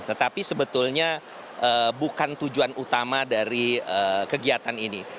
tetapi sebetulnya bukan tujuan utama dari kegiatan ini